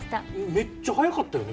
めっちゃ速かったよね？